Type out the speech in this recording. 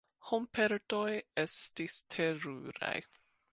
Homperdoj estis teruraj.